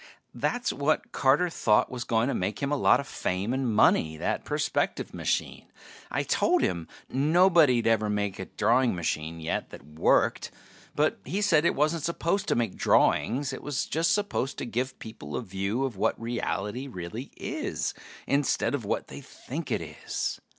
That's what Carter thought was going to make him a lot of fame and money, that perspective machine. I told him nobody'd ever made a drawing machine yet that worked, but he said it wasn't supposed to make drawings. It was just supposed to give people a view of what reality really is, instead of what they think it is.